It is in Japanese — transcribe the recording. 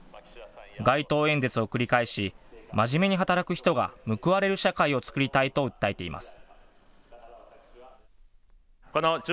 街頭演説を繰り返し、真面目に働く人が報われる社会をつくりたいと訴えています。